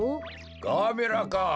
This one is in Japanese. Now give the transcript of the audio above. ガーベラか。